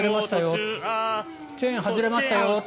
チェーン外れましたよって。